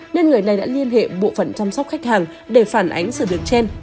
nên người này đã liên hệ bộ phận chăm sóc khách hàng để phản ánh sự việc trên